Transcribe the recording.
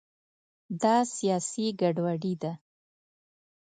دا سیاسي ګډوډي ده.